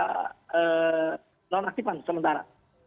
tidak aktifkan sementara